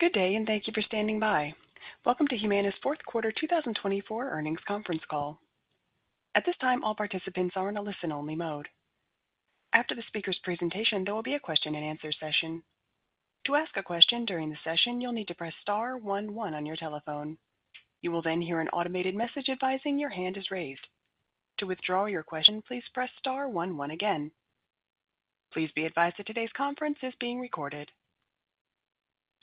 Good day, and thank you for standing by. Welcome to Humana's fourth quarter 2024 earnings conference call. At this time, all participants are in a listen-only mode. After the speaker's presentation, there will be a question-and-answer session. To ask a question during the session, you'll need to press star 11 on your telephone. You will then hear an automated message advising your hand is raised. To withdraw your question, please press star 11 again. Please be advised that today's conference is being recorded.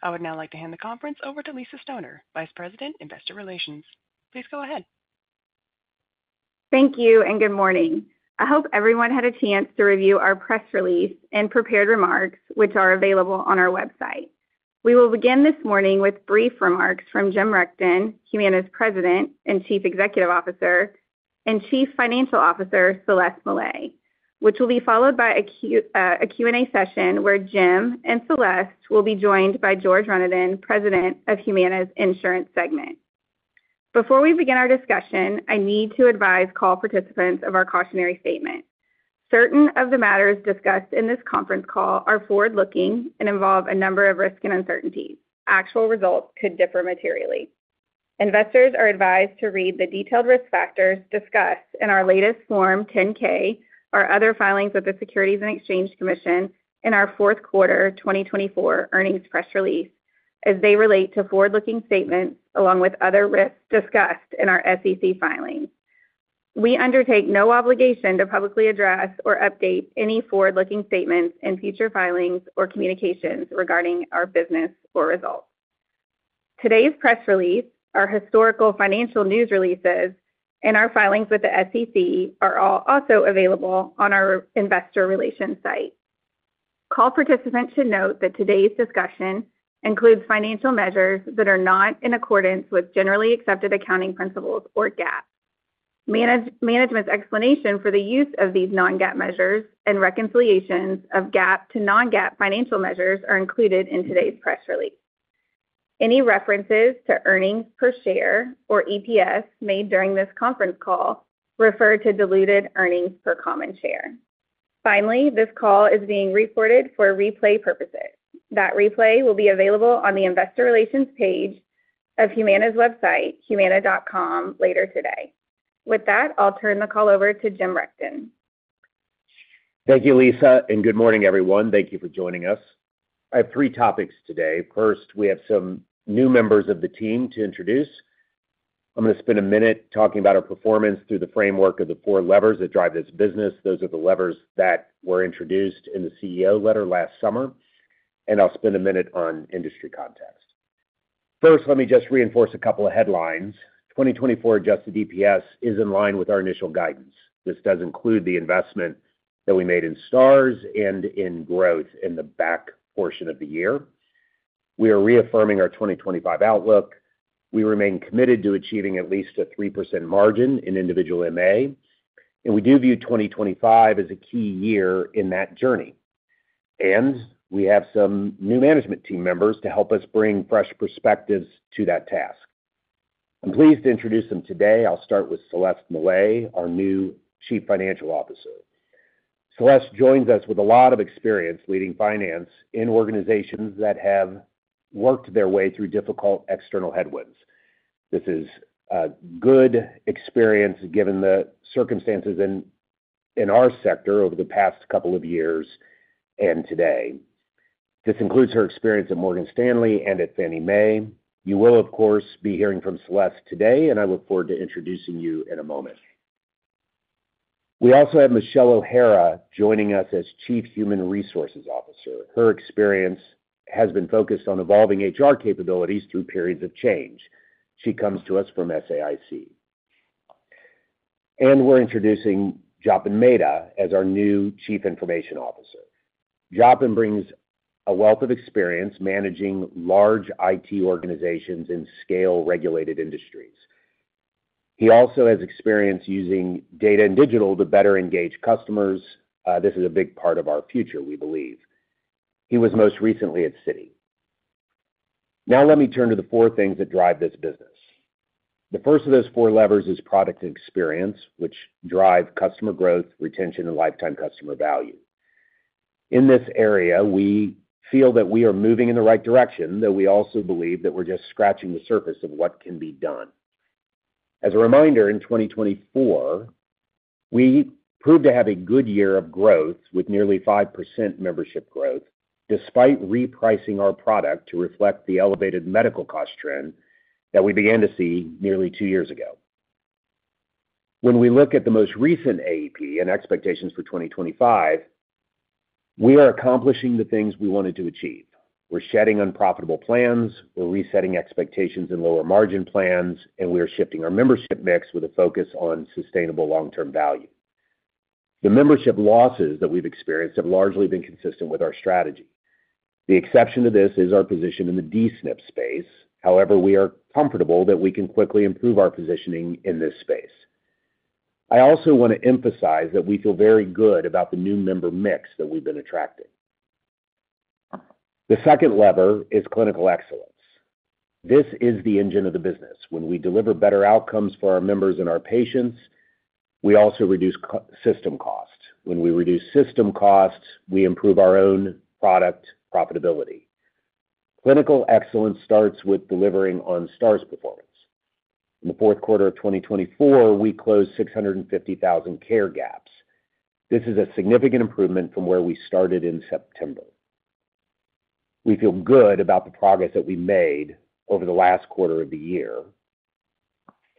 I would now like to hand the conference over to Lisa Stoner, Vice President, Investor Relations. Please go ahead. Thank you, and good morning. I hope everyone had a chance to review our press release and prepared remarks, which are available on our website. We will begin this morning with brief remarks from Jim Rechtin, Humana's President and Chief Executive Officer, and Chief Financial Officer, Celeste Mellet, which will be followed by a Q&A session where Jim and Celeste will be joined by George Renaudin, President of Humana's Insurance Segment. Before we begin our discussion, I need to advise call participants of our cautionary statement. Certain of the matters discussed in this conference call are forward-looking and involve a number of risks and uncertainties. Actual results could differ materially. Investors are advised to read the detailed risk factors discussed in our latest Form 10-K, our other filings with the Securities and Exchange Commission, and our fourth quarter 2024 earnings press release, as they relate to forward-looking statements along with other risks discussed in our SEC filings. We undertake no obligation to publicly address or update any forward-looking statements in future filings or communications regarding our business or results. Today's press release, our historical financial news releases, and our filings with the SEC are also available on our investor relations site. Call participants should note that today's discussion includes financial measures that are not in accordance with generally accepted accounting principles or GAAP. Management's explanation for the use of these non-GAAP measures and reconciliations of GAAP to non-GAAP financial measures are included in today's press release. Any references to earnings per share or EPS made during this conference call refer to diluted earnings per common share. Finally, this call is being recorded for replay purposes. That replay will be available on the investor relations page of Humana's website, humana.com, later today. With that, I'll turn the call over to Jim Rechtin. Thank you, Lisa, and good morning, everyone. Thank you for joining us. I have three topics today. First, we have some new members of the team to introduce. I'm going to spend a minute talking about our performance through the framework of the four levers that drive this business. Those are the levers that were introduced in the CEO letter last summer. And I'll spend a minute on industry context. First, let me just reinforce a couple of headlines. 2024 adjusted EPS is in line with our initial guidance. This does include the investment that we made in Stars and in growth in the back portion of the year. We are reaffirming our 2025 outlook. We remain committed to achieving at least a 3% margin in individual MA. And we do view 2025 as a key year in that journey. We have some new management team members to help us bring fresh perspectives to that task. I'm pleased to introduce them today. I'll start with Celeste Mellet, our new Chief Financial Officer. Celeste joins us with a lot of experience leading finance in organizations that have worked their way through difficult external headwinds. This is good experience given the circumstances in our sector over the past couple of years and today. This includes her experience at Morgan Stanley and at Fannie Mae. You will, of course, be hearing from Celeste today, and I look forward to introducing you in a moment. We also have Michelle O'Hara joining us as Chief Human Resources Officer. Her experience has been focused on evolving HR capabilities through periods of change. She comes to us from SAIC. We're introducing Tapan Mehta as our new Chief Information Officer. Tapan brings a wealth of experience managing large IT organizations in scale-regulated industries. He also has experience using data and digital to better engage customers. This is a big part of our future, we believe. He was most recently at Citi. Now, let me turn to the four things that drive this business. The first of those four levers is product and experience, which drive customer growth, retention, and lifetime customer value. In this area, we feel that we are moving in the right direction, though we also believe that we're just scratching the surface of what can be done. As a reminder, in 2024, we proved to have a good year of growth with nearly 5% membership growth, despite repricing our product to reflect the elevated medical cost trend that we began to see nearly two years ago. When we look at the most recent AEP and expectations for 2025, we are accomplishing the things we wanted to achieve. We're shedding unprofitable plans. We're resetting expectations and lower margin plans, and we are shifting our membership mix with a focus on sustainable long-term value. The membership losses that we've experienced have largely been consistent with our strategy. The exception to this is our position in the D-SNP space. However, we are comfortable that we can quickly improve our positioning in this space. I also want to emphasize that we feel very good about the new member mix that we've been attracting. The second lever is clinical excellence. This is the engine of the business. When we deliver better outcomes for our members and our patients, we also reduce system costs. When we reduce system costs, we improve our own product profitability. Clinical excellence starts with delivering on Stars performance. In the fourth quarter of 2024, we closed 650,000 care gaps. This is a significant improvement from where we started in September. We feel good about the progress that we made over the last quarter of the year,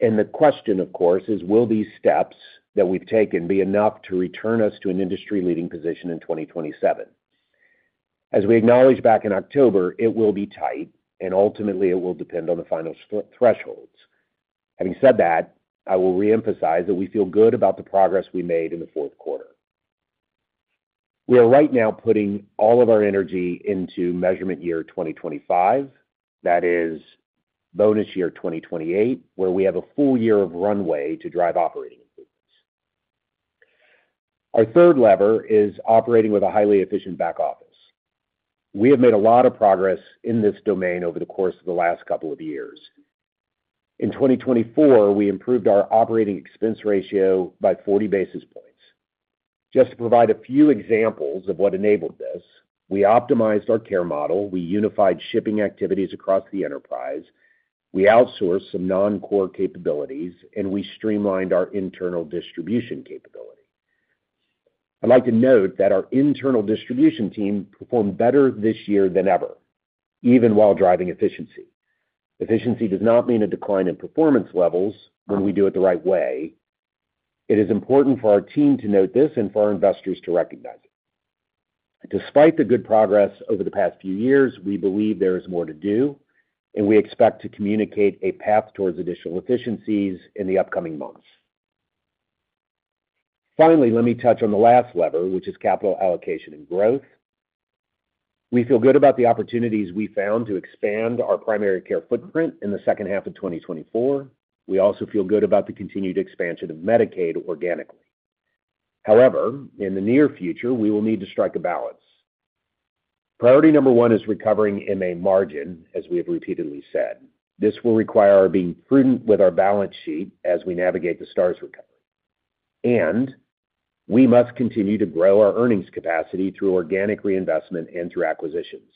and the question, of course, is, will these steps that we've taken be enough to return us to an industry-leading position in 2027? As we acknowledged back in October, it will be tight, and ultimately, it will depend on the final thresholds. Having said that, I will reemphasize that we feel good about the progress we made in the fourth quarter. We are right now putting all of our energy into measurement year 2025. That is bonus year 2028, where we have a full year of runway to drive operating improvements. Our third lever is operating with a highly efficient back office. We have made a lot of progress in this domain over the course of the last couple of years. In 2024, we improved our operating expense ratio by 40 basis points. Just to provide a few examples of what enabled this, we optimized our care model. We unified shipping activities across the enterprise. We outsourced some non-core capabilities, and we streamlined our internal distribution capability. I'd like to note that our internal distribution team performed better this year than ever, even while driving efficiency. Efficiency does not mean a decline in performance levels when we do it the right way. It is important for our team to note this and for our investors to recognize it. Despite the good progress over the past few years, we believe there is more to do, and we expect to communicate a path towards additional efficiencies in the upcoming months. Finally, let me touch on the last lever, which is capital allocation and growth. We feel good about the opportunities we found to expand our primary care footprint in the second half of 2024. We also feel good about the continued expansion of Medicaid organically. However, in the near future, we will need to strike a balance. Priority number one is recovering MA margin, as we have repeatedly said. This will require our being prudent with our balance sheet as we navigate the Stars recovery. And we must continue to grow our earnings capacity through organic reinvestment and through acquisitions.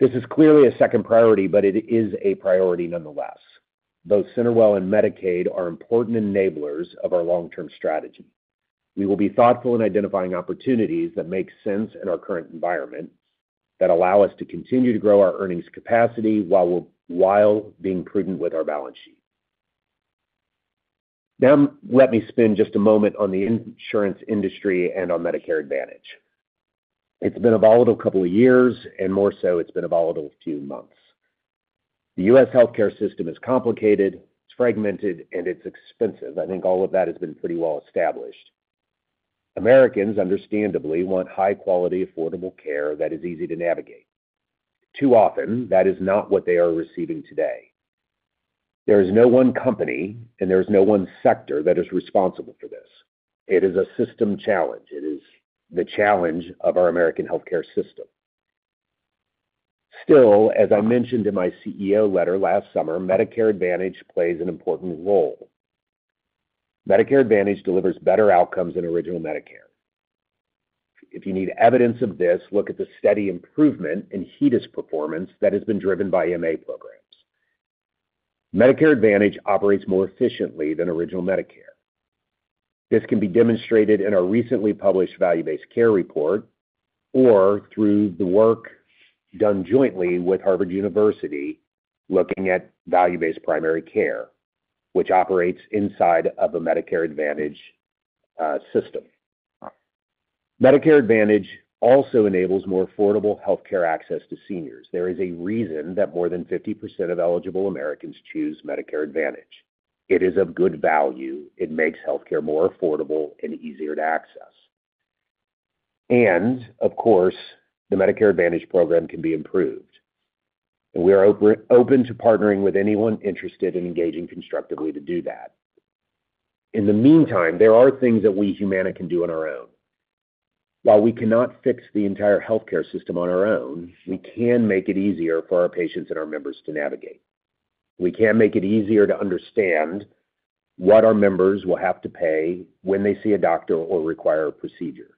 This is clearly a second priority, but it is a priority nonetheless. Both CenterWell and Medicaid are important enablers of our long-term strategy. We will be thoughtful in identifying opportunities that make sense in our current environment that allow us to continue to grow our earnings capacity while being prudent with our balance sheet. Now, let me spend just a moment on the insurance industry and on Medicare Advantage. It's been a volatile couple of years, and more so, it's been a volatile few months. The U.S. healthcare system is complicated. It's fragmented, and it's expensive. I think all of that has been pretty well established. Americans, understandably, want high-quality, affordable care that is easy to navigate. Too often, that is not what they are receiving today. There is no one company, and there is no one sector that is responsible for this. It is a system challenge. It is the challenge of our American healthcare system. Still, as I mentioned in my CEO letter last summer, Medicare Advantage plays an important role. Medicare Advantage delivers better outcomes than original Medicare. If you need evidence of this, look at the steady improvement in HEDIS performance that has been driven by MA programs. Medicare Advantage operates more efficiently than Original Medicare. This can be demonstrated in our recently published value-based care report or through the work done jointly with Harvard University looking at value-based primary care, which operates inside of a Medicare Advantage system. Medicare Advantage also enables more affordable healthcare access to seniors. There is a reason that more than 50% of eligible Americans choose Medicare Advantage. It is of good value. It makes healthcare more affordable and easier to access, and, of course, the Medicare Advantage program can be improved, and we are open to partnering with anyone interested in engaging constructively to do that. In the meantime, there are things that we Humana can do on our own. While we cannot fix the entire healthcare system on our own, we can make it easier for our patients and our members to navigate. We can make it easier to understand what our members will have to pay when they see a doctor or require a procedure.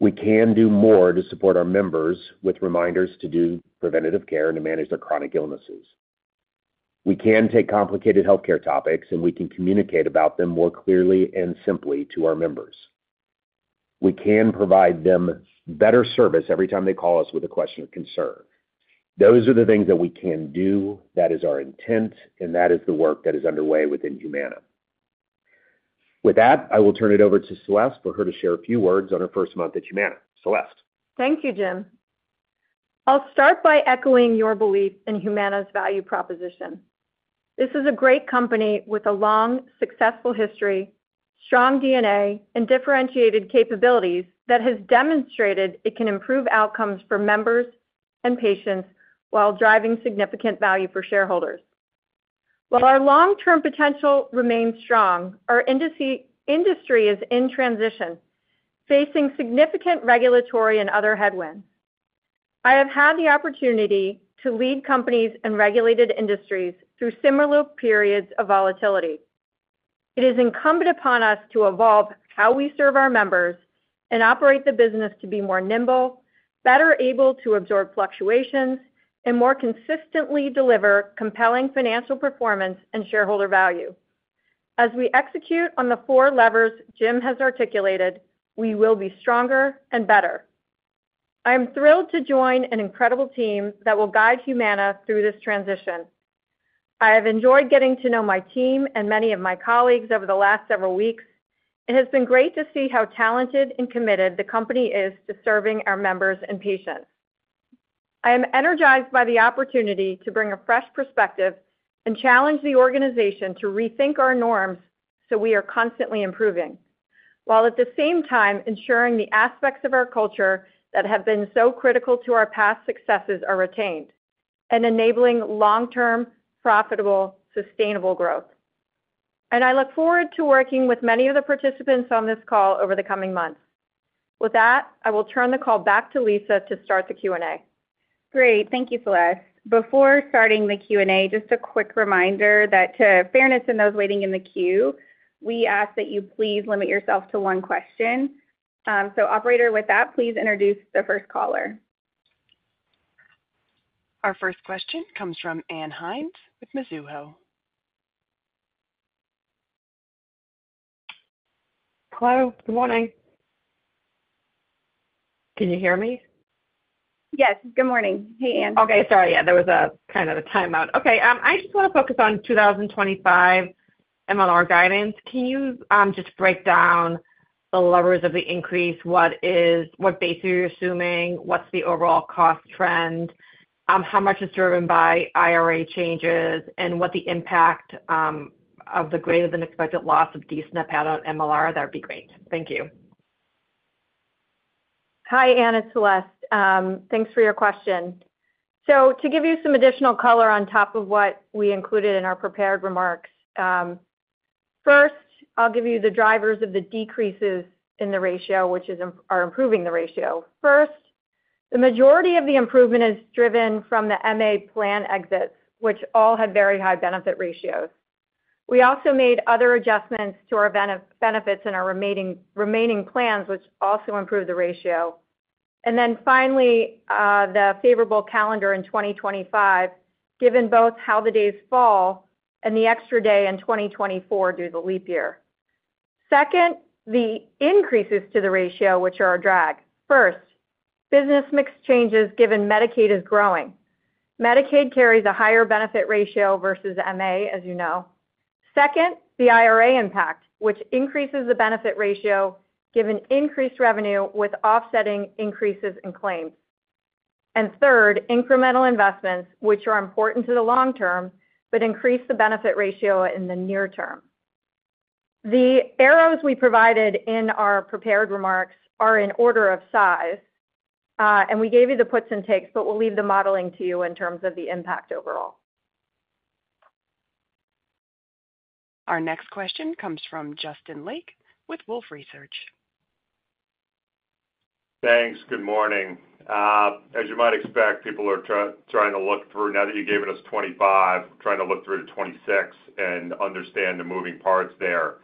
We can do more to support our members with reminders to do preventative care and to manage their chronic illnesses. We can take complicated healthcare topics, and we can communicate about them more clearly and simply to our members. We can provide them better service every time they call us with a question or concern. Those are the things that we can do. That is our intent, and that is the work that is underway within Humana. With that, I will turn it over to Celeste for her to share a few words on her first month at Humana. Celeste. Thank you, Jim. I'll start by echoing your belief in Humana's value proposition. This is a great company with a long, successful history, strong DNA, and differentiated capabilities that has demonstrated it can improve outcomes for members and patients while driving significant value for shareholders. While our long-term potential remains strong, our industry is in transition, facing significant regulatory and other headwinds. I have had the opportunity to lead companies in regulated industries through similar periods of volatility. It is incumbent upon us to evolve how we serve our members and operate the business to be more nimble, better able to absorb fluctuations, and more consistently deliver compelling financial performance and shareholder value. As we execute on the four levers Jim has articulated, we will be stronger and better. I am thrilled to join an incredible team that will guide Humana through this transition. I have enjoyed getting to know my team and many of my colleagues over the last several weeks. It has been great to see how talented and committed the company is to serving our members and patients. I am energized by the opportunity to bring a fresh perspective and challenge the organization to rethink our norms so we are constantly improving, while at the same time ensuring the aspects of our culture that have been so critical to our past successes are retained and enabling long-term, profitable, sustainable growth, and I look forward to working with many of the participants on this call over the coming months. With that, I will turn the call back to Lisa to start the Q&A. Great. Thank you, Celeste. Before starting the Q&A, just a quick reminder that for fairness in those waiting in the queue, we ask that you please limit yourself to one question. So, operator, with that, please introduce the first caller. Our first question comes from Ann Hynes with Mizuho. Hello. Good morning. Can you hear me? Yes. Good morning. Hey, Ann. Okay. Sorry. Yeah, there was kind of a timeout. Okay. I just want to focus on 2025 MLR guidance. Can you just break down the levers of the increase? What base are you assuming? What's the overall cost trend? How much is driven by IRA changes? And what's the impact of the greater-than-expected loss of D-SNP out on MLR? That would be great. Thank you. Hi, Ann. It's Celeste. Thanks for your question. So, to give you some additional color on top of what we included in our prepared remarks, first, I'll give you the drivers of the decreases in the ratio, which are improving the ratio. First, the majority of the improvement is driven from the MA plan exits, which all had very high benefit ratios. We also made other adjustments to our benefits in our remaining plans, which also improved the ratio. And then finally, the favorable calendar in 2025, given both how the days fall and the extra day in 2024 due to the leap year. Second, the increases to the ratio, which are our drag. First, business mix changes given Medicaid is growing. Medicaid carries a higher benefit ratio versus MA, as you know. Second, the IRA impact, which increases the benefit ratio given increased revenue with offsetting increases in claims. Third, incremental investments, which are important to the long term, but increase the Benefit Ratio in the near term. The arrows we provided in our prepared remarks are in order of size. We gave you the puts and takes, but we'll leave the modeling to you in terms of the impact overall. Our next question comes from Justin Lake with Wolfe Research. Thanks. Good morning. As you might expect, people are trying to look through now that you've given us 2025, trying to look through to 2026 and understand the moving parts there.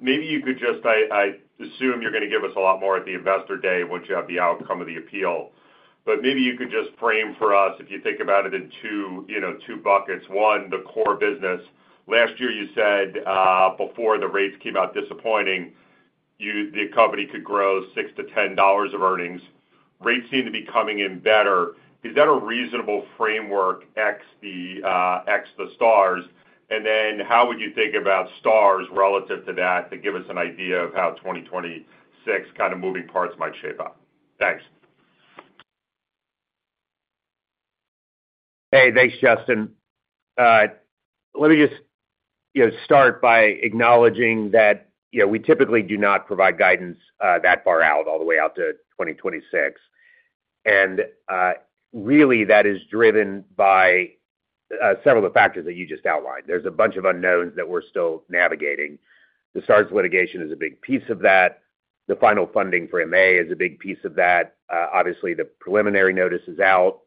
Maybe you could just, I assume you're going to give us a lot more at the investor day once you have the outcome of the appeal. But maybe you could just frame for us, if you think about it in two buckets. One, the core business. Last year, you said before the rates came out disappointing, the company could grow $6-$10 of earnings. Rates seem to be coming in better. Is that a reasonable framework, ex the stars? And then how would you think about stars relative to that to give us an idea of how 2026 kind of moving parts might shape up? Thanks. Hey, thanks, Justin. Let me just start by acknowledging that we typically do not provide guidance that far out, all the way out to 2026, and really, that is driven by several of the factors that you just outlined. There's a bunch of unknowns that we're still navigating. The Stars litigation is a big piece of that. The final funding for MA is a big piece of that. Obviously, the preliminary notice is out.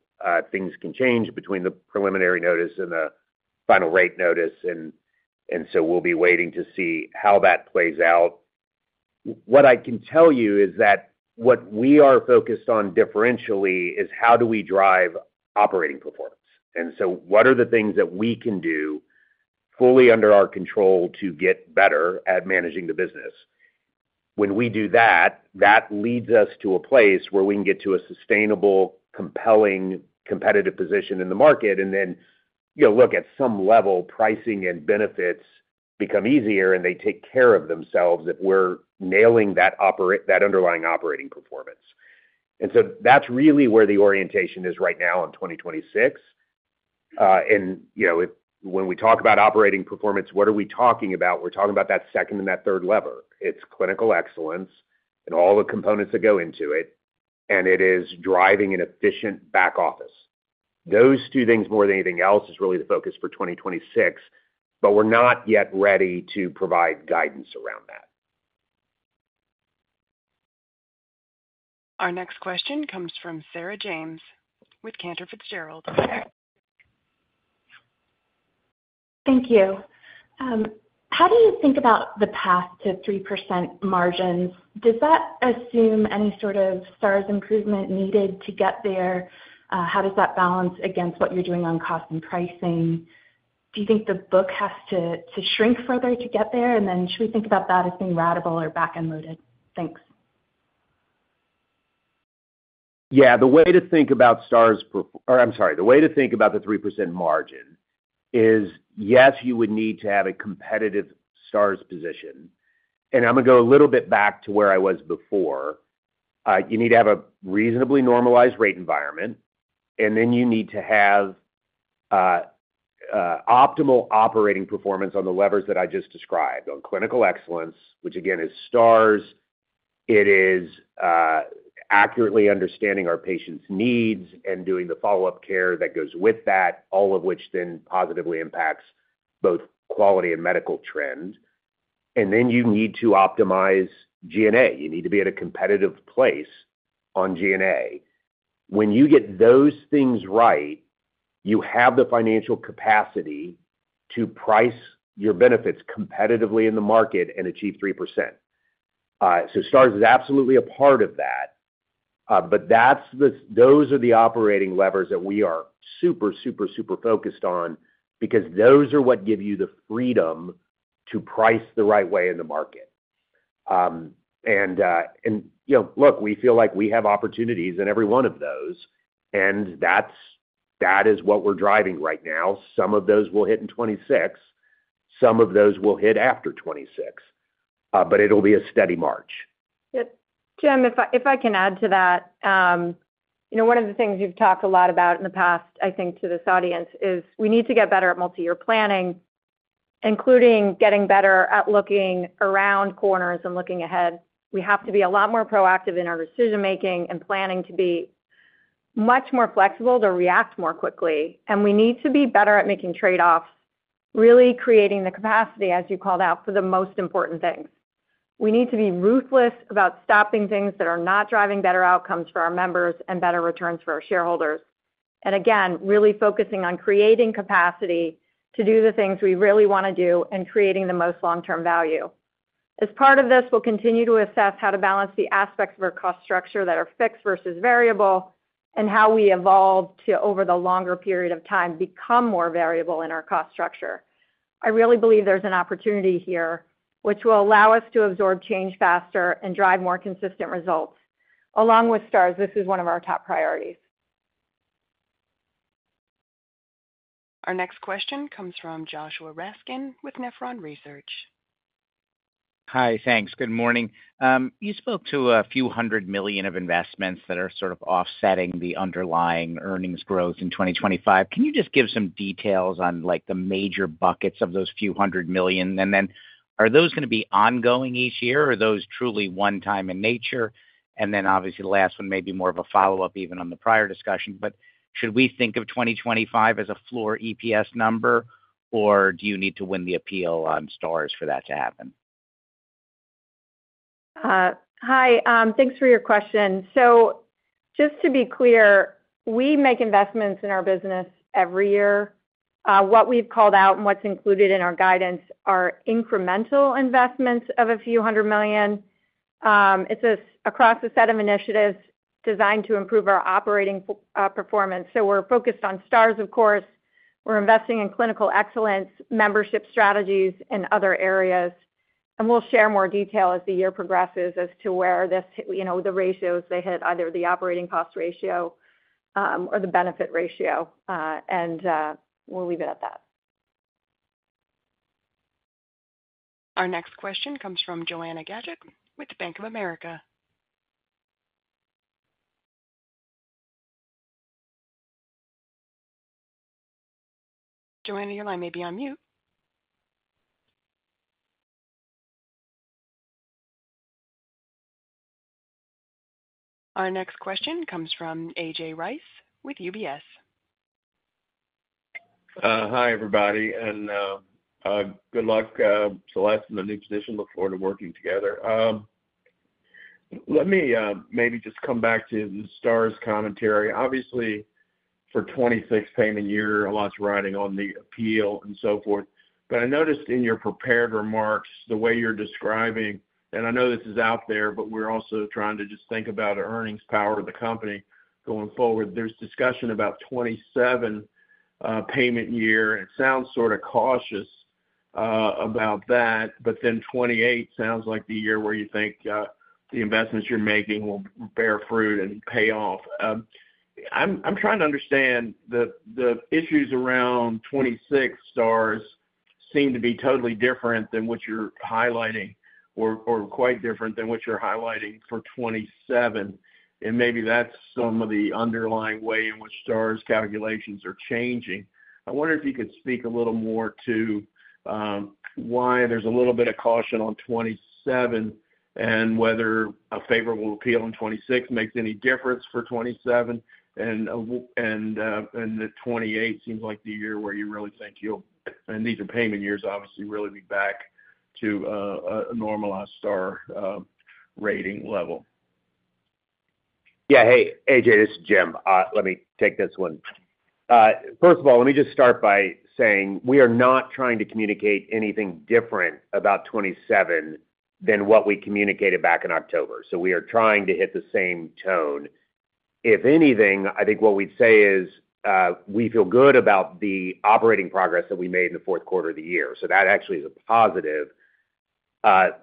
Things can change between the preliminary notice and the final Rate Notice, and so we'll be waiting to see how that plays out. What I can tell you is that what we are focused on differentially is how do we drive operating performance, and so what are the things that we can do fully under our control to get better at managing the business? When we do that, that leads us to a place where we can get to a sustainable, compelling, competitive position in the market. And then look at some level, pricing and benefits become easier, and they take care of themselves if we're nailing that underlying operating performance. And so that's really where the orientation is right now in 2026. And when we talk about operating performance, what are we talking about? We're talking about that second and that third lever. It's clinical excellence and all the components that go into it. And it is driving an efficient back office. Those two things, more than anything else, is really the focus for 2026. But we're not yet ready to provide guidance around that. Our next question comes from Sarah James with Cantor Fitzgerald. Thank you. How do you think about the path to 3% margins? Does that assume any sort of stars improvement needed to get there? How does that balance against what you're doing on cost and pricing? Do you think the book has to shrink further to get there? And then should we think about that as being ratable or back-end loaded? Thanks. Yeah. The way to think about stars—or I'm sorry, the way to think about the 3% margin is, yes, you would need to have a competitive stars position. And I'm going to go a little bit back to where I was before. You need to have a reasonably normalized rate environment. And then you need to have optimal operating performance on the levers that I just described on clinical excellence, which, again, is stars. It is accurately understanding our patients' needs and doing the follow-up care that goes with that, all of which then positively impacts both quality and medical trend. And then you need to optimize G&A. You need to be at a competitive place on G&A. When you get those things right, you have the financial capacity to price your benefits competitively in the market and achieve 3%. So stars is absolutely a part of that. But those are the operating levers that we are super, super, super focused on because those are what give you the freedom to price the right way in the market. And look, we feel like we have opportunities in every one of those. And that is what we're driving right now. Some of those will hit in 2026. Some of those will hit after 2026. But it'll be a steady march. Jim, if I can add to that, one of the things you've talked a lot about in the past, I think, to this audience is we need to get better at multi-year planning, including getting better at looking around corners and looking ahead. We have to be a lot more proactive in our decision-making and planning to be much more flexible to react more quickly. And we need to be better at making trade-offs, really creating the capacity, as you called out, for the most important things. We need to be ruthless about stopping things that are not driving better outcomes for our members and better returns for our shareholders. And again, really focusing on creating capacity to do the things we really want to do and creating the most long-term value. As part of this, we'll continue to assess how to balance the aspects of our cost structure that are fixed versus variable and how we evolve to, over the longer period of time, become more variable in our cost structure. I really believe there's an opportunity here, which will allow us to absorb change faster and drive more consistent results. Along with stars, this is one of our top priorities. Our next question comes from Joshua Raskin with Nephron Research. Hi, thanks. Good morning. You spoke to a few hundred million of investments that are sort of offsetting the underlying earnings growth in 2025. Can you just give some details on the major buckets of those few hundred million? And then are those going to be ongoing each year? Are those truly one-time in nature? And then obviously, the last one may be more of a follow-up even on the prior discussion. But should we think of 2025 as a floor EPS number, or do you need to win the appeal on stars for that to happen? Hi. Thanks for your question. So just to be clear, we make investments in our business every year. What we've called out and what's included in our guidance are incremental investments of a few hundred million. It's across a set of initiatives designed to improve our operating performance. So we're focused on stars, of course. We're investing in clinical excellence, membership strategies, and other areas. And we'll share more detail as the year progresses as to where the ratios they hit, either the operating cost ratio or the benefit ratio. And we'll leave it at that. Our next question comes from Joanna Gajuk with Bank of America. Joanna, your line may be on mute. Our next question comes from AJ Rice with UBS. Hi, everybody. And good luck, Celeste, in the new position. Look forward to working together. Let me maybe just come back to the stars commentary. Obviously, for 2026 payment year, a lot's riding on the appeal and so forth. But I noticed in your prepared remarks, the way you're describing, and I know this is out there, but we're also trying to just think about earnings power of the company going forward, there's discussion about 2027 payment year. It sounds sort of cautious about that. But then 2028 sounds like the year where you think the investments you're making will bear fruit and pay off. I'm trying to understand the issues around 2026 stars seem to be totally different than what you're highlighting or quite different than what you're highlighting for 2027. And maybe that's some of the underlying way in which stars calculations are changing. I wonder if you could speak a little more to why there's a little bit of caution on 2027 and whether a favorable appeal in 2026 makes any difference for 2027, and the 2028 seems like the year where you really think you'll (and these are payment years, obviously) really be back to a normalized star rating level. Yeah. Hey, AJ, this is Jim. Let me take this one. First of all, let me just start by saying we are not trying to communicate anything different about 2027 than what we communicated back in October. So we are trying to hit the same tone. If anything, I think what we'd say is we feel good about the operating progress that we made in the fourth quarter of the year. So that actually is a positive.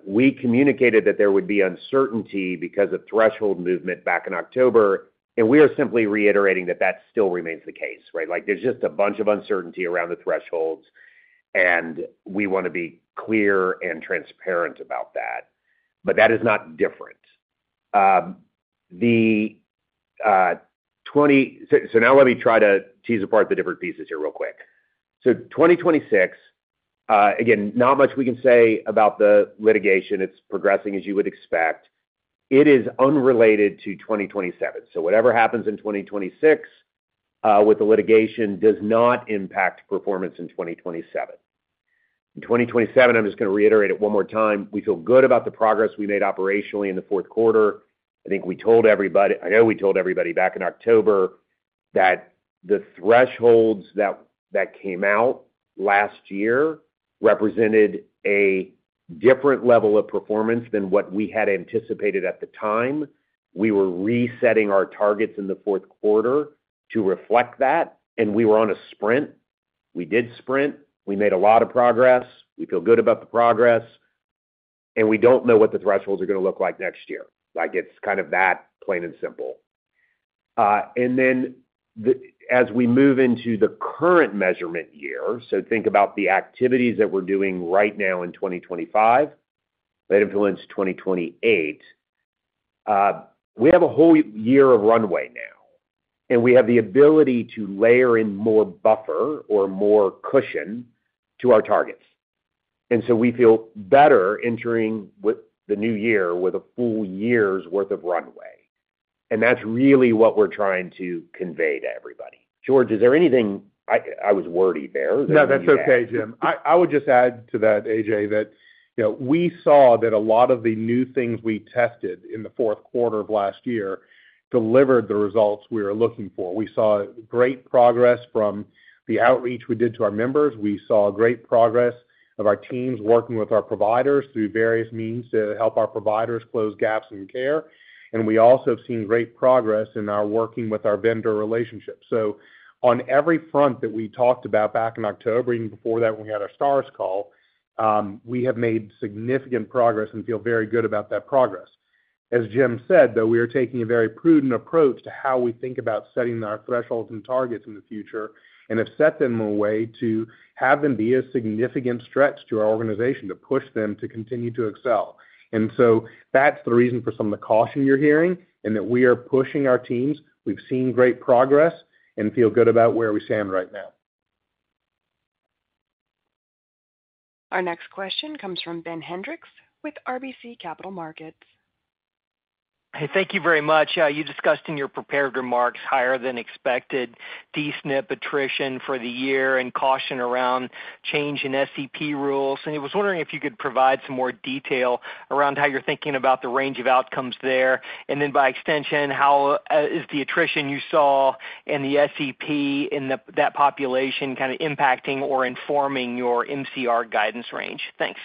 We communicated that there would be uncertainty because of threshold movement back in October. And we are simply reiterating that that still remains the case, right? There's just a bunch of uncertainty around the thresholds. And we want to be clear and transparent about that. But that is not different. So now let me try to tease apart the different pieces here real quick. So, 2026, again, not much we can say about the litigation. It's progressing as you would expect. It is unrelated to 2027. So whatever happens in 2026 with the litigation does not impact performance in 2027. In 2027, I'm just going to reiterate it one more time. We feel good about the progress we made operationally in the fourth quarter. I think we told everybody. I know we told everybody back in October that the thresholds that came out last year represented a different level of performance than what we had anticipated at the time. We were resetting our targets in the fourth quarter to reflect that. And we were on a sprint. We did sprint. We made a lot of progress. We feel good about the progress. And we don't know what the thresholds are going to look like next year. It's kind of that, plain and simple. And then as we move into the current measurement year, so think about the activities that we're doing right now in 2025 that influence 2028, we have a whole year of runway now. And we have the ability to layer in more buffer or more cushion to our targets. And so we feel better entering the new year with a full year's worth of runway. And that's really what we're trying to convey to everybody. George, is there anything I was wordy there? No, that's okay, Jim. I would just add to that, AJ, that we saw that a lot of the new things we tested in the fourth quarter of last year delivered the results we were looking for. We saw great progress from the outreach we did to our members. We saw great progress of our teams working with our providers through various means to help our providers close gaps in care. And we also have seen great progress in our working with our vendor relationship. So on every front that we talked about back in October, even before that when we had our stars call, we have made significant progress and feel very good about that progress. As Jim said, though, we are taking a very prudent approach to how we think about setting our thresholds and targets in the future and have set them away to have them be a significant stretch to our organization to push them to continue to excel, and so that's the reason for some of the caution you're hearing and that we are pushing our teams. We've seen great progress and feel good about where we stand right now. Our next question comes from Ben Hendrix with RBC Capital Markets. Hey, thank you very much. You discussed in your prepared remarks higher than expected D-SNP attrition for the year and caution around change in SEP rules. And I was wondering if you could provide some more detail around how you're thinking about the range of outcomes there. And then by extension, how is the attrition you saw in the SEP in that population kind of impacting or informing your MCR guidance range? Thanks.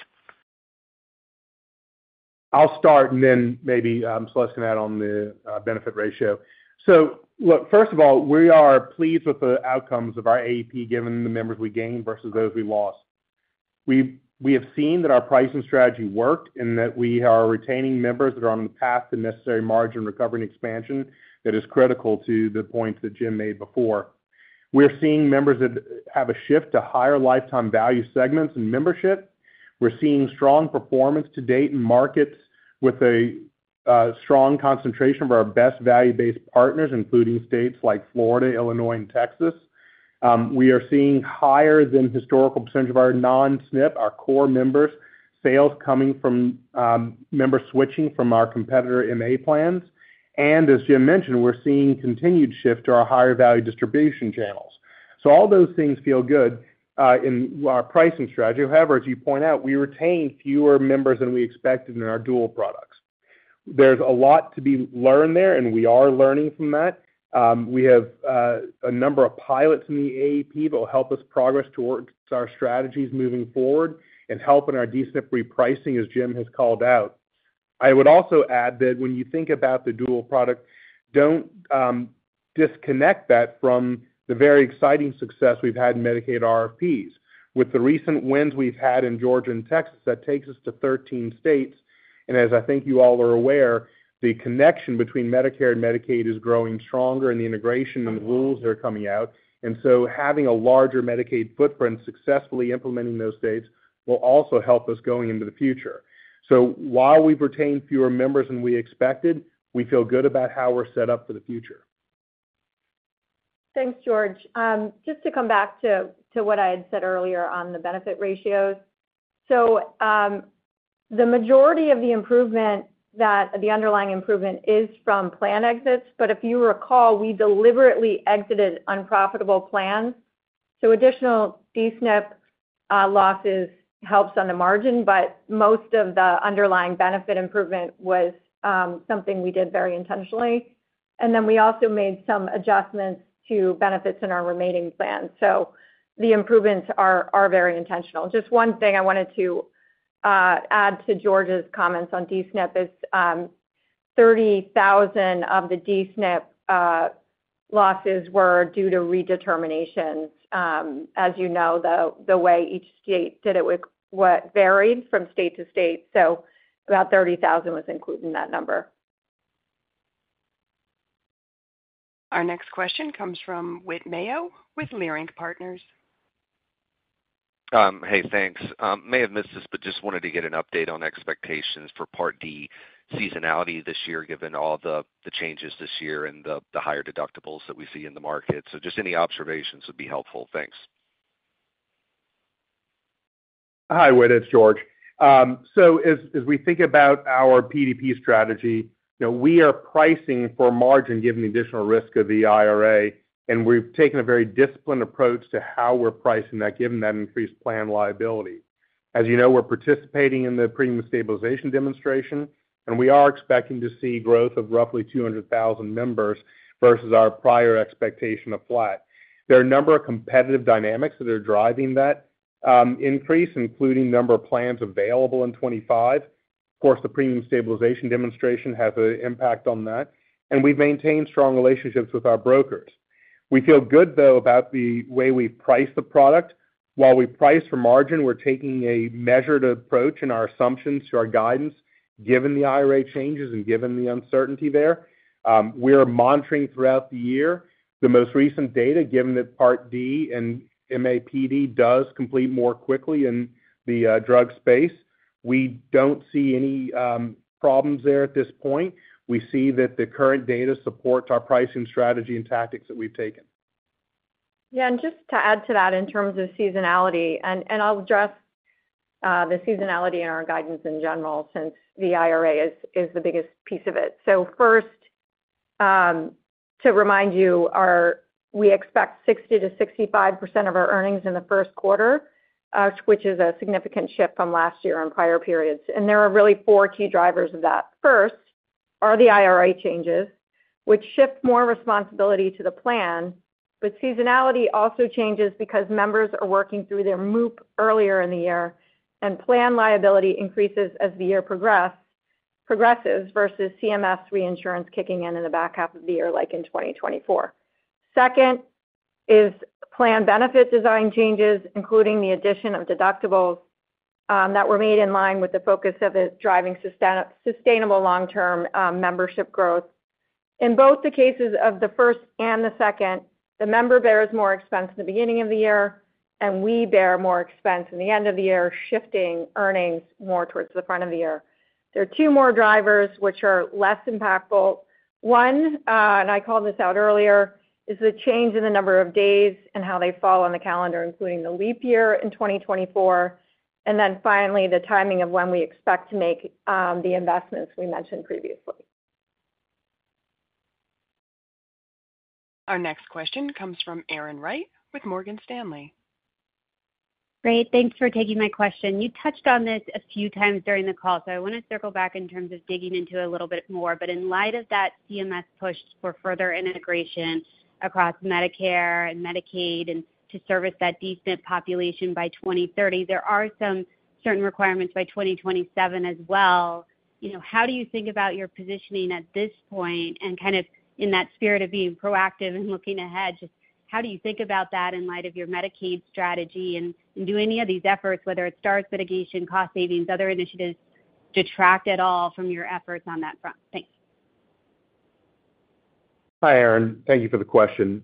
I'll start and then maybe Celeste can add on the benefit ratio. So look, first of all, we are pleased with the outcomes of our AEP given the members we gained versus those we lost. We have seen that our pricing strategy worked and that we are retaining members that are on the path to necessary margin recovery and expansion that is critical to the points that Jim made before. We're seeing members that have a shift to higher lifetime value segments and membership. We're seeing strong performance to date in markets with a strong concentration of our best value-based partners, including states like Florida, Illinois, and Texas. We are seeing higher than historical percentage of our non-SNP, our core members, sales coming from members switching from our competitor MA plans. And as Jim mentioned, we're seeing continued shift to our higher value distribution channels. So all those things feel good in our pricing strategy. However, as you point out, we retained fewer members than we expected in our dual products. There's a lot to be learned there, and we are learning from that. We have a number of pilots in the AEP that will help us progress towards our strategies moving forward and help in our D-SNP repricing, as Jim has called out. I would also add that when you think about the dual product, don't disconnect that from the very exciting success we've had in Medicaid RFPs. With the recent wins we've had in Georgia and Texas, that takes us to 13 states, and as I think you all are aware, the connection between Medicare and Medicaid is growing stronger and the integration and the rules that are coming out. And so having a larger Medicaid footprint successfully implementing those states will also help us going into the future. So while we've retained fewer members than we expected, we feel good about how we're set up for the future. Thanks, George. Just to come back to what I had said earlier on the benefit ratios. So the majority of the underlying improvement is from plan exits. But if you recall, we deliberately exited unprofitable plans. So additional D-SNP losses helps on the margin, but most of the underlying benefit improvement was something we did very intentionally. And then we also made some adjustments to benefits in our remaining plans. So the improvements are very intentional. Just one thing I wanted to add to George's comments on D-SNP is 30,000 of the D-SNP losses were due to redeterminations. As you know, the way each state did it varied from state to state. So about 30,000 was included in that number. Our next question comes from Whit Mayo with Leerink Partners. Hey, thanks. I may have missed this, but just wanted to get an update on expectations for Part D seasonality this year given all the changes this year and the higher deductibles that we see in the market. So just any observations would be helpful. Thanks. Hi, Whit. It's George. So as we think about our PDP strategy, we are pricing for margin given the additional risk of the IRA. And we've taken a very disciplined approach to how we're pricing that given that increased plan liability. As you know, we're participating in the Premium Stabilization Demonstration, and we are expecting to see growth of roughly 200,000 members versus our prior expectation of flat. There are a number of competitive dynamics that are driving that increase, including the number of plans available in 2025. Of course, the Premium Stabilization Demonstration has an impact on that. And we've maintained strong relationships with our brokers. We feel good, though, about the way we price the product. While we price for margin, we're taking a measured approach in our assumptions to our guidance given the IRA changes and given the uncertainty there. We are monitoring throughout the year. The most recent data, given that Part D and MAPD does complete more quickly in the drug space, we don't see any problems there at this point. We see that the current data supports our pricing strategy and tactics that we've taken. Yeah. And just to add to that in terms of seasonality, and I'll address the seasonality in our guidance in general since the IRA is the biggest piece of it. So first, to remind you, we expect 60%-65% of our earnings in the first quarter, which is a significant shift from last year and prior periods. And there are really four key drivers of that. First are the IRA changes, which shift more responsibility to the plan, but seasonality also changes because members are working through their MOOP earlier in the year. And plan liability increases as the year progresses versus CMS reinsurance kicking in in the back half of the year, like in 2024. Second is plan benefit design changes, including the addition of deductibles that were made in line with the focus of it driving sustainable long-term membership growth. In both the cases of the first and the second, the member bears more expense in the beginning of the year, and we bear more expense in the end of the year, shifting earnings more towards the front of the year. There are two more drivers which are less impactful. One, and I called this out earlier, is the change in the number of days and how they fall on the calendar, including the leap year in 2024, and then finally, the timing of when we expect to make the investments we mentioned previously. Our next question comes from Erin Wright with Morgan Stanley. Great. Thanks for taking my question. You touched on this a few times during the call, so I want to circle back in terms of digging into a little bit more. But in light of that CMS push for further integration across Medicare and Medicaid and to service that D-SNP population by 2030, there are some certain requirements by 2027 as well. How do you think about your positioning at this point? And kind of in that spirit of being proactive and looking ahead, just how do you think about that in light of your Medicaid strategy? And do any of these efforts, whether it's Stars mitigation, cost savings, other initiatives, detract at all from your efforts on that front? Thanks. Hi, Erin. Thank you for the question.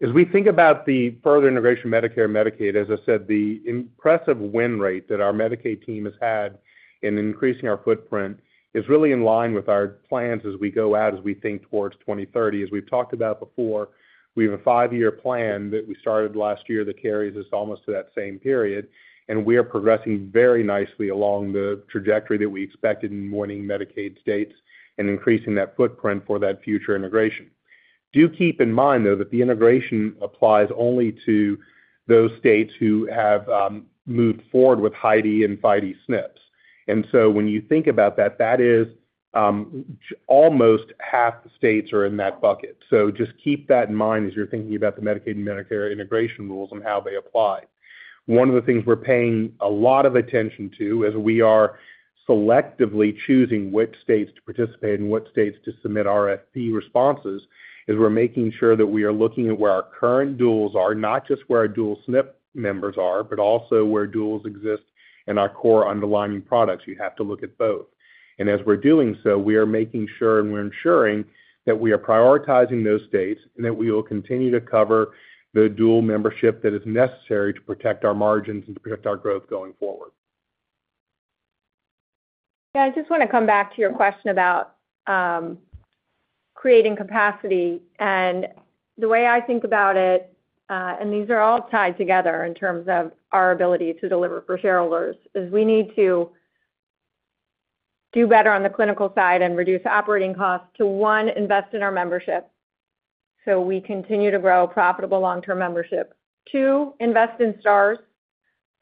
As we think about the further integration of Medicare and Medicaid, as I said, the impressive win rate that our Medicaid team has had in increasing our footprint is really in line with our plans as we go out, as we think towards 2030. As we've talked about before, we have a five-year plan that we started last year that carries us almost to that same period. And we are progressing very nicely along the trajectory that we expected in winning Medicaid states and increasing that footprint for that future integration. Do keep in mind, though, that the integration applies only to those states who have moved forward with HIDE and FIDE SNPs. And so when you think about that, that is almost half the states are in that bucket. So just keep that in mind as you're thinking about the Medicaid and Medicare integration rules and how they apply. One of the things we're paying a lot of attention to as we are selectively choosing which states to participate and what states to submit RFP responses is we're making sure that we are looking at where our current duals are, not just where our D-SNP members are, but also where duals exist in our core underlying products. You have to look at both. And as we're doing so, we are making sure and we're ensuring that we are prioritizing those states and that we will continue to cover the dual membership that is necessary to protect our margins and to protect our growth going forward. Yeah. I just want to come back to your question about creating capacity, and the way I think about it, and these are all tied together in terms of our ability to deliver for shareholders, is we need to do better on the clinical side and reduce operating costs to, one, invest in our membership so we continue to grow a profitable long-term membership, two, invest in stars,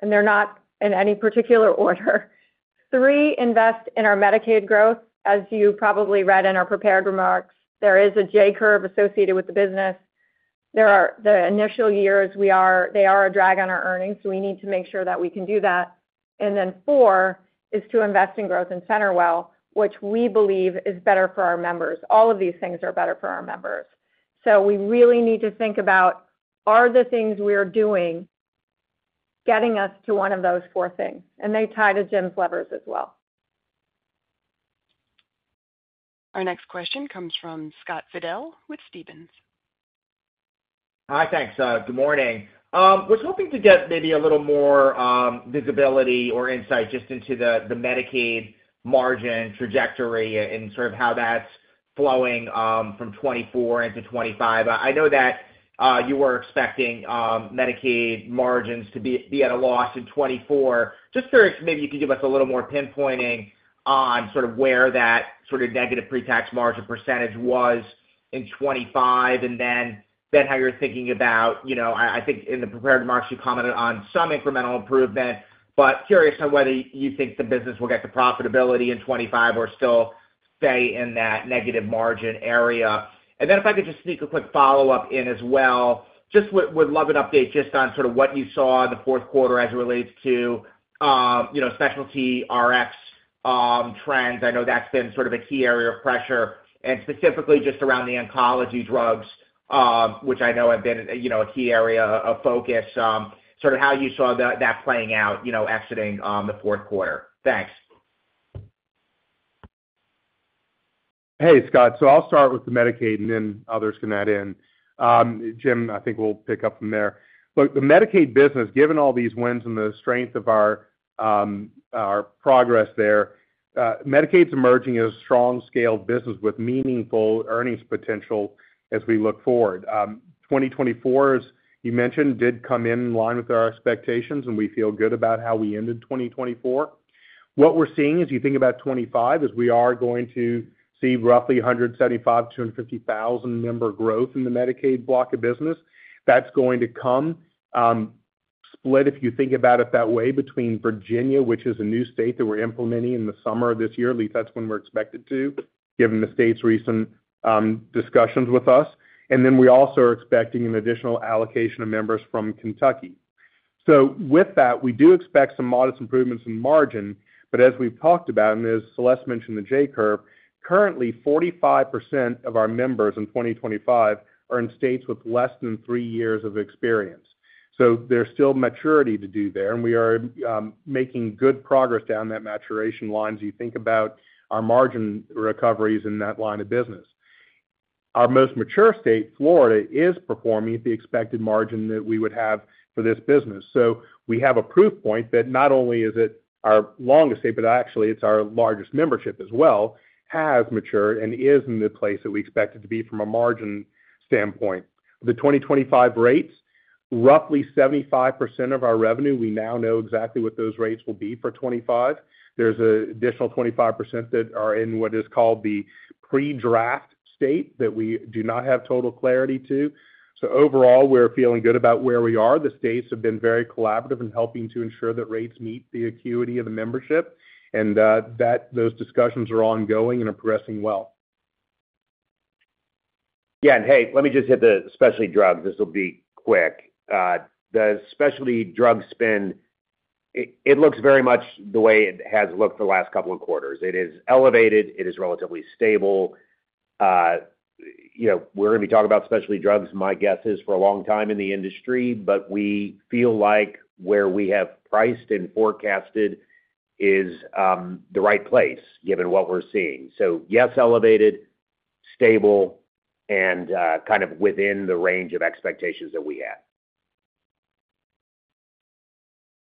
and they're not in any particular order, three, invest in our Medicaid growth. As you probably read in our prepared remarks, there is a J Curve associated with the business. The initial years, they are a drag on our earnings, so we need to make sure that we can do that, and then four is to invest in growth and CenterWell, which we believe is better for our members. All of these things are better for our members. So we really need to think about: Are the things we're doing getting us to one of those four things? And they tie to Jim's levers as well. Our next question comes from Scott Fidel with Stephens. Hi, thanks. Good morning. Was hoping to get maybe a little more visibility or insight just into the Medicaid margin trajectory and sort of how that's flowing from 2024 into 2025. I know that you were expecting Medicaid margins to be at a loss in 2024. Just curious, maybe you could give us a little more pinpointing on sort of where that sort of negative pre-tax margin percentage was in 2025 and then how you're thinking about, I think in the prepared remarks, you commented on some incremental improvement, but curious on whether you think the business will get to profitability in 2025 or still stay in that negative margin area. And then if I could just sneak a quick follow-up in as well, just would love an update just on sort of what you saw in the fourth quarter as it relates to specialty RX trends. I know that's been sort of a key area of pressure and specifically just around the oncology drugs, which I know have been a key area of focus. Sort of how you saw that playing out exiting the fourth quarter? Thanks. Hey, Scott. So I'll start with the Medicaid and then others can add in. Jim, I think we'll pick up from there. Look, the Medicaid business, given all these wins and the strength of our progress there, Medicaid's emerging as a strong-scaled business with meaningful earnings potential as we look forward. 2024, as you mentioned, did come in line with our expectations, and we feel good about how we ended 2024. What we're seeing as you think about 2025 is we are going to see roughly 175,000 to 150,000 member growth in the Medicaid block of business. That's going to come split, if you think about it that way, between Virginia, which is a new state that we're implementing in the summer of this year. At least that's when we're expected to, given the state's recent discussions with us. And then we also are expecting an additional allocation of members from Kentucky. So with that, we do expect some modest improvements in margin. But as we've talked about, and as Celeste mentioned, the J Curve, currently 45% of our members in 2025 are in states with less than three years of experience. So there's still maturity to do there. And we are making good progress down that maturation line as you think about our margin recoveries in that line of business. Our most mature state, Florida, is performing at the expected margin that we would have for this business. So we have a proof point that not only is it our longest state, but actually it's our largest membership as well, has matured and is in the place that we expect it to be from a margin standpoint. The 2025 rates, roughly 75% of our revenue, we now know exactly what those rates will be for '25. There's an additional 25% that are in what is called the pre-draft state that we do not have total clarity to. So overall, we're feeling good about where we are. The states have been very collaborative in helping to ensure that rates meet the acuity of the membership, and those discussions are ongoing and are progressing well. Yeah. And hey, let me just hit the specialty drugs. This will be quick. The specialty drug spend, it looks very much the way it has looked the last couple of quarters. It is elevated. It is relatively stable. We're going to be talking about specialty drugs, my guess is, for a long time in the industry, but we feel like where we have priced and forecasted is the right place given what we're seeing. So yes, elevated, stable, and kind of within the range of expectations that we had.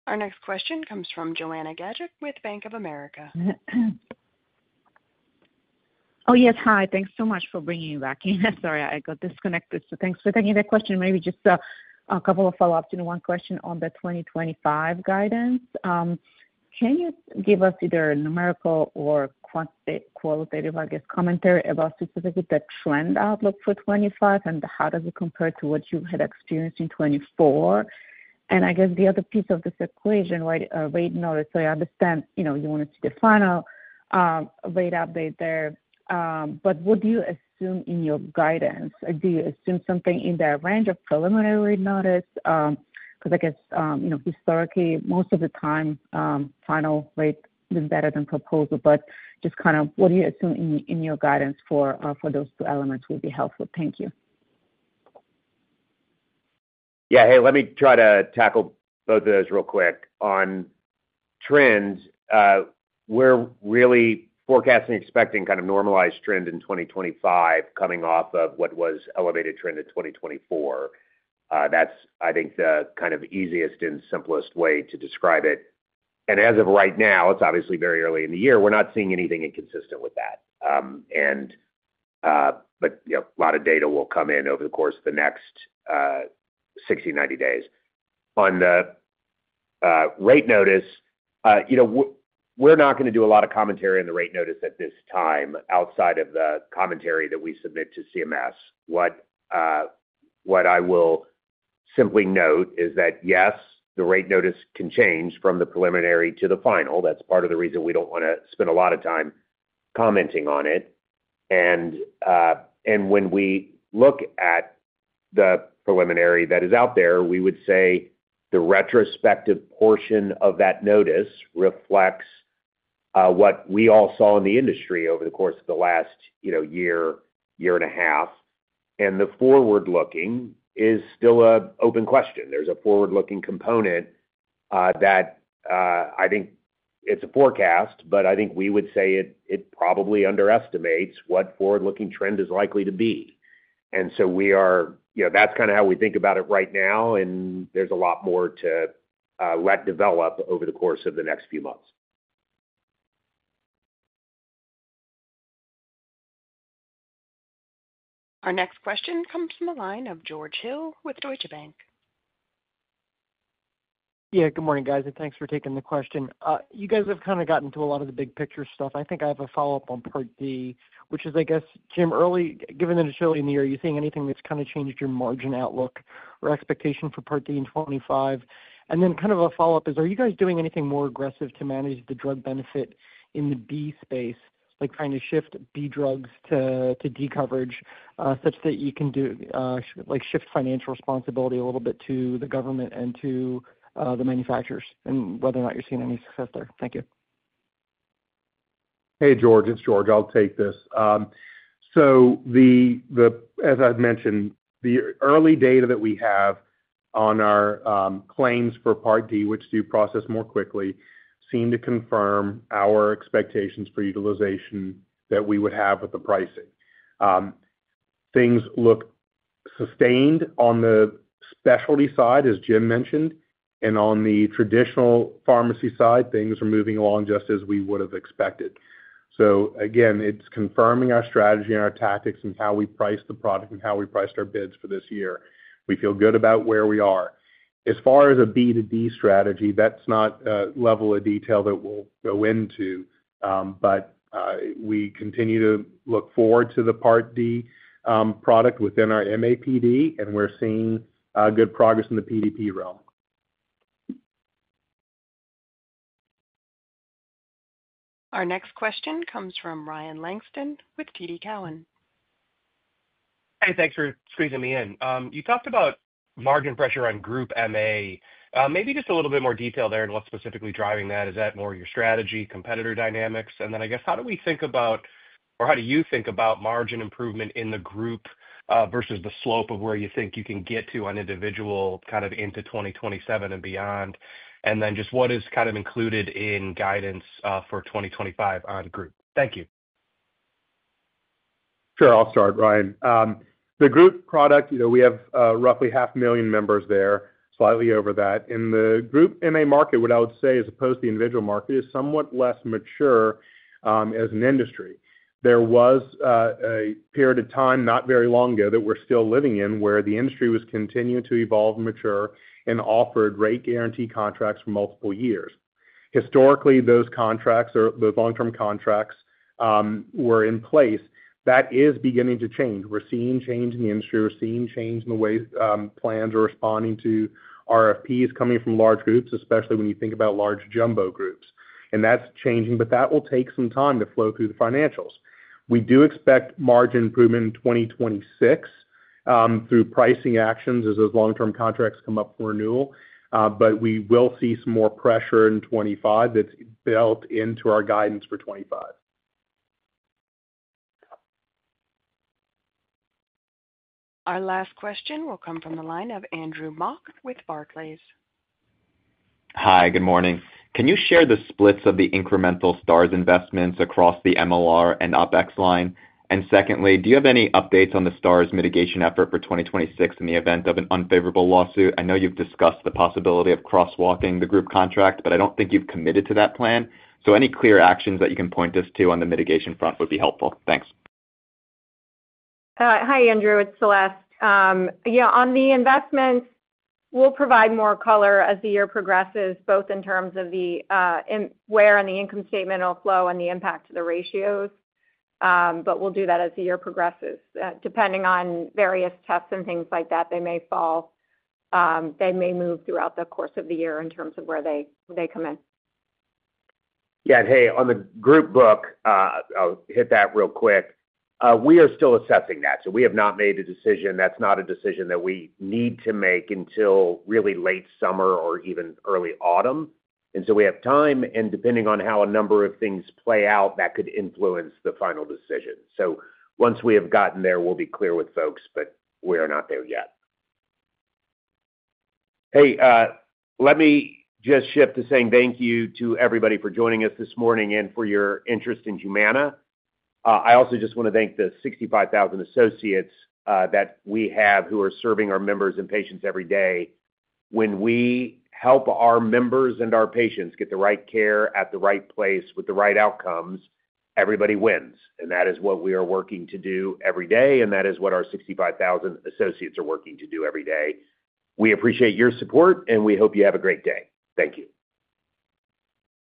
Our next question comes from Joanna Gajuk with Bank of America. Oh, yes. Hi. Thanks so much for bringing me back in. Sorry, I got disconnected. So thanks for taking the question. Maybe just a couple of follow-ups in one question on the 2025 guidance. Can you give us either a numerical or qualitative, I guess, commentary about specifically the trend outlook for 2025 and how does it compare to what you had experienced in 2024? And I guess the other piece of this equation, Rate Notice, so I understand you wanted to see the final Rate update there. But what do you assume in your guidance? Do you assume something in that range of preliminary Rate Notice? Because I guess historically, most of the time, final rate is better than proposal. But just kind of what do you assume in your guidance for those two elements would be helpful? Thank you. Yeah. Hey, let me try to tackle both of those real quick. On trends, we're really forecasting and expecting kind of normalized trend in 2025 coming off of what was elevated trend in 2024. That's, I think, the kind of easiest and simplest way to describe it. And as of right now, it's obviously very early in the year. We're not seeing anything inconsistent with that. But a lot of data will come in over the course of the next 60, 90 days. On the rate notice, we're not going to do a lot of commentary on the rate notice at this time outside of the commentary that we submit to CMS. What I will simply note is that, yes, the rate notice can change from the preliminary to the final. That's part of the reason we don't want to spend a lot of time commenting on it. When we look at the preliminary that is out there, we would say the retrospective portion of that notice reflects what we all saw in the industry over the course of the last year, year and a half. The forward-looking is still an open question. There's a forward-looking component that I think it's a forecast, but I think we would say it probably underestimates what forward-looking trend is likely to be. That's kind of how we think about it right now, and there's a lot more to let develop over the course of the next few months. Our next question comes from the line of George Hill with Deutsche Bank. Yeah. Good morning, guys. And thanks for taking the question. You guys have kind of gotten to a lot of the big picture stuff. I think I have a follow-up on Part D, which is, I guess, Jim, early, given that it's early in the year, are you seeing anything that's kind of changed your margin outlook or expectation for Part D in 2025? And then kind of a follow-up is, are you guys doing anything more aggressive to manage the drug benefit in the B space, like trying to shift B drugs to D coverage such that you can shift financial responsibility a little bit to the government and to the manufacturers and whether or not you're seeing any success there? Thank you. Hey, George. It's George. I'll take this. So as I've mentioned, the early data that we have on our claims for Part D, which do process more quickly, seem to confirm our expectations for utilization that we would have with the pricing. Things look sustained on the specialty side, as Jim mentioned, and on the traditional pharmacy side, things are moving along just as we would have expected. So again, it's confirming our strategy and our tactics and how we priced the product and how we priced our bids for this year. We feel good about where we are. As far as a B to D strategy, that's not a level of detail that we'll go into, but we continue to look forward to the Part D product within our MAPD, and we're seeing good progress in the PDP realm. Our next question comes from Ryan Langston with TD Cowen. Hey, thanks for squeezing me in. You talked about margin pressure on Group MA. Maybe just a little bit more detail there and what's specifically driving that. Is that more your strategy, competitor dynamics? And then I guess, how do we think about, or how do you think about margin improvement in the group versus the slope of where you think you can get to on individual kind of into 2027 and beyond? And then just what is kind of included in guidance for 2025 on group? Thank you. Sure. I'll start, Ryan. The group product, we have roughly 500,000 members there, slightly over that. In the Group MA market, what I would say as opposed to the individual market is somewhat less mature as an industry. There was a period of time, not very long ago, that we're still living in where the industry was continuing to evolve and mature and offered rate guarantee contracts for multiple years. Historically, those contracts, those long-term contracts were in place. That is beginning to change. We're seeing change in the industry. We're seeing change in the way plans are responding to RFPs coming from large groups, especially when you think about large jumbo groups, and that's changing, but that will take some time to flow through the financials. We do expect margin improvement in 2026 through pricing actions as those long-term contracts come up for renewal, but we will see some more pressure in 2025 that's built into our guidance for 2025. Our last question will come from the line of Andrew Mok with Barclays. Hi, good morning. Can you share the splits of the incremental STARS investments across the MLR and OpEx line? And secondly, do you have any updates on the STARS mitigation effort for 2026 in the event of an unfavorable lawsuit? I know you've discussed the possibility of cross-walking the group contract, but I don't think you've committed to that plan. So any clear actions that you can point us to on the mitigation front would be helpful. Thanks. Hi, Andrew. It's Celeste. Yeah. On the investments, we'll provide more color as the year progresses, both in terms of where on the income statement it'll flow and the impact to the ratios, but we'll do that as the year progresses. Depending on various tests and things like that, they may fall. They may move throughout the course of the year in terms of where they come in. Yeah, and hey, on the group book, I'll hit that real quick. We are still assessing that, so we have not made a decision. That's not a decision that we need to make until really late summer or even early autumn, and so we have time, and depending on how a number of things play out, that could influence the final decision, so once we have gotten there, we'll be clear with folks, but we are not there yet. Hey, let me just shift to saying thank you to everybody for joining us this morning and for your interest in Humana. I also just want to thank the 65,000 associates that we have who are serving our members and patients every day. When we help our members and our patients get the right care at the right place with the right outcomes, everybody wins. That is what we are working to do every day, and that is what our 65,000 associates are working to do every day. We appreciate your support, and we hope you have a great day. Thank you.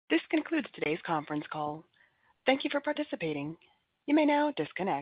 This concludes today's conference call. Thank you for participating. You may now disconnect.